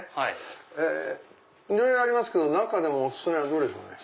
いろいろありますけど中でもお薦めはどれでしょうね。